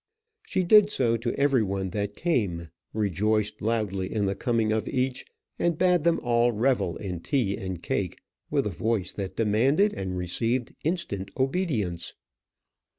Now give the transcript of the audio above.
She did so to every one that came, rejoiced loudly in the coming of each, and bade them all revel in tea and cake with a voice that demanded and received instant obedience.